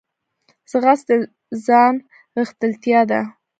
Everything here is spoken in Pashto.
ځغاسته د ځان غښتلتیا ده